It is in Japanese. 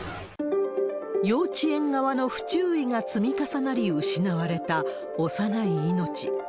幼稚園側の不注意が積み重なり、失われた幼い命。